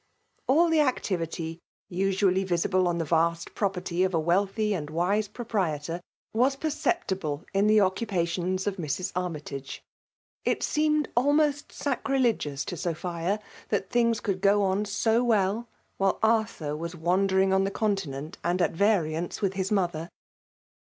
All the activity usually visible on the vast property of a wealthy and wise FSUALB DOMINATIOK. 103 ptapiieioT, was perceptible in the occupations of Mrs. Armytage. It seemed almost sacrir lege to Sophia, that things conld go on so well while Arthur was wandering on the Continent and at Tariance with her mother.